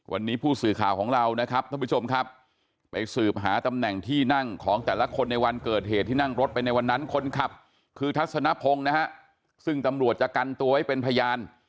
วันนี้ผู้สื่อข่าวของเรานะครับท่านผู้ชมครับไปสืบหาตำแหน่งที่นั่งของแต่ละคนในวันเกิดเหตุที่นั่งรถไปในวันนั้นคนขับคือทัศนพงศ์นะฮะซึ่งตำรวจจะกันตัวไว้เป็นพยาน